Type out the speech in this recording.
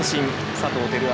佐藤輝明